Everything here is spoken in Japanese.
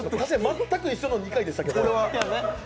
全く一緒の２回でしたけど。